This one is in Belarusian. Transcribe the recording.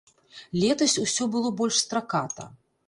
Летась усё было больш страката.